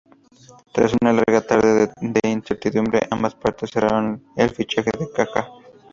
Tras una larga tarde de incertidumbre, ambas partes cerraron el fichaje de Kaká.